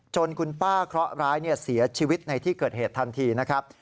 คุณป้าเคราะห์ร้ายเสียชีวิตในที่เกิดเหตุทันทีนะครับ